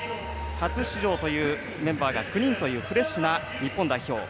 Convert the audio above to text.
初出場というメンバーが９人というフレッシュな日本代表。